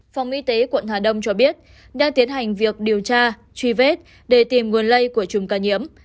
phòng y tế quận hà đông cho biết đang tiến hành việc điều tra truy vết để tìm nguồn lây của chùm ca nhiễm